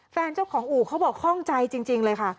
แฟนเจ้าของอู่เขาบอกคล่องใจจริงเลยค่ะ